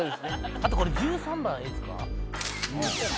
あと１３番いいですか。